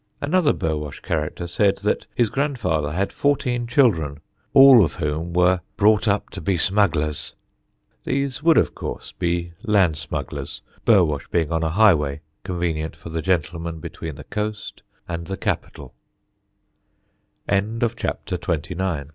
Another Burwash character said that his grandfather had fourteen children, all of whom were "brought up to be smugglers." These would, of course, be land smugglers Burwash being on a highway convenient for the gentlemen between the coast and the